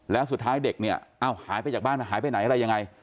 แล้วสุดท้ายเด็กเนี่ยเอ้าหายไปจากบ้านหายไปไหนอะไรยังไง